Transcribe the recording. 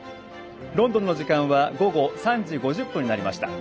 ロンドンの時間は午後３時５０分になりました。